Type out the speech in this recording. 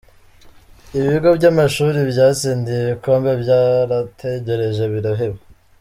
Ibigo by’amashuri byatsindiye ibikombe byarategereje biraheba